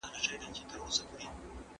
دا توپیر به روښانه سي.